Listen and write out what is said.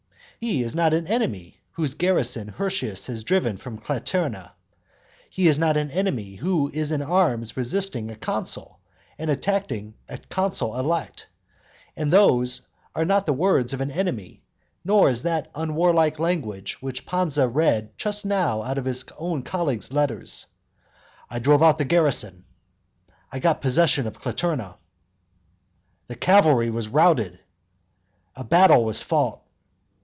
He is not an enemy whose garrison Hirtius has driven from Claterna; he is not an enemy who is in arms resisting a consul, and attacking a consul elect; and those are not the words of an enemy, nor is that warlike language, which Pansa read just now out of his colleague's letters: "I drove out the garrison." "I got possession of Claterna." "The cavalry were routed." "A battle was fought."